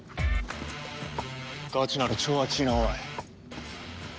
ガチなら超アチィなおい。